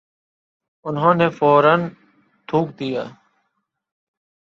انہوں نے فورا تھوک دیا ۔